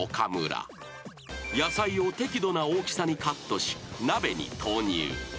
［野菜を適度な大きさにカットし鍋に投入］